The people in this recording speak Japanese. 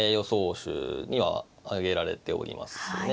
手には挙げられておりますね。